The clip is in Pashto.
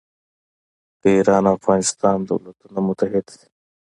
که ایران او افغانستان دولتونه متحد شي.